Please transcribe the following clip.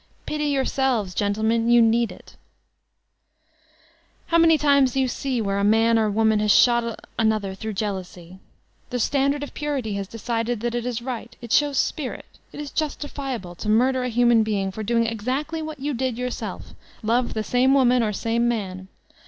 Pity yourselves, gentlemen — ^you need itl How many times do you see where a man or woman has shot another throt^ jealousy 1 The standard of purity has decided that it b right, ''it shows spirit/' 'it is justifiable" to— murder a human being for doing ex actly what you did yourself, — ^love the same woman or same man!